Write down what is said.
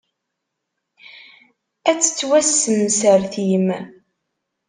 Ad tettwassemsertim.